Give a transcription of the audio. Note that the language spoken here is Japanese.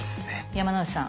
山之内さん